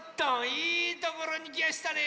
いいところにきやしたね。